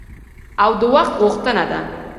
او د وخت غوښتنه ده.